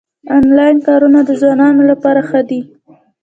انلاین کارونه د ځوانانو لپاره ښه دي